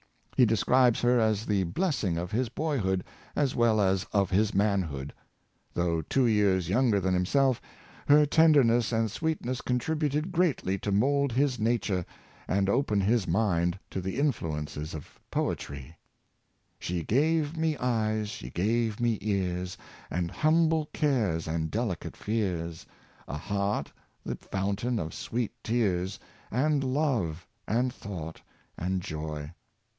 He describes her as the blessing of his boyhood as well as of his manhood. Though two 3^ears 3'ounger than himself, her tender ness and sweetness contributed greatly to mould his na ture, and open his mind to the influences of poetry: " She gave me eyes, she gave me ears, And humble cares, and delicate fears ; A heart, the fountain of sweet tears, And love, and thought, and joy."